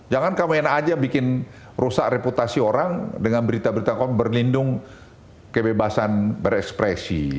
jangan kamu enak aja bikin rusak reputasi orang dengan berita berita kaum berlindung kebebasan berekspresi